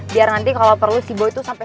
biar nanti kalo perlu si boy tuh sampe